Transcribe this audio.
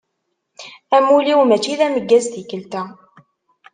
Amulli-w mačči d ameggaz tikelt-a.